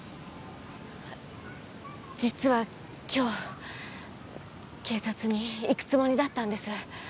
実は今日警察に行くつもりだったんです。